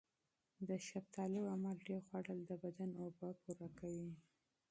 د شفتالو او مالټې خوړل د بدن اوبه پوره کوي.